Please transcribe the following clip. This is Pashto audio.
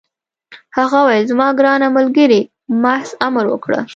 هغه وویل: زما ګرانه ملګرې، محض امر وکړه.